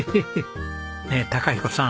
ねえ駿彦さん